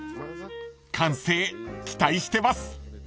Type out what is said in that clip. ［完成期待してます］